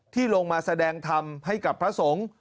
ที่ลงมาแสดงธรรมให้กับพระสงฆ์